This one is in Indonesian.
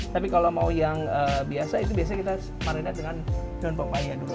tapi kalau mau yang biasa itu biasanya kita marinade dengan daun papaya dulu